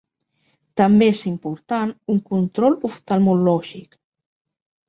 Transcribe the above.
També és important un control oftalmològic.